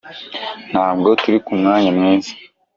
ntabwo turi ku mwanya mwiza.